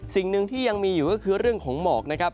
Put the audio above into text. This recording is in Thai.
สิ่งหนึ่งที่ยังมีอยู่ก็คือเรื่องของหมอกนะครับ